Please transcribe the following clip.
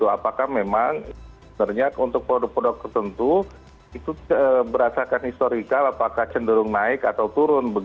apakah memang sebenarnya untuk produk produk tertentu itu berdasarkan historical apakah cenderung naik atau turun